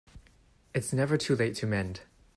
It's never too late to mend